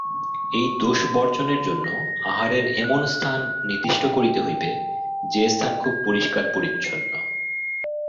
এই দোষবর্জনের জন্য আহারের এমন স্থান নির্দিষ্ট করিতে হইবে, যে-স্থান খুব পরিষ্কার পরিচ্ছন্ন।